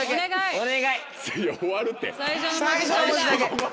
お願い。